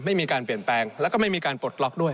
ไม่มีการเปลี่ยนแปลงแล้วก็ไม่มีการปลดล็อกด้วย